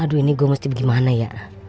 aduh ini gue mesti gimana ya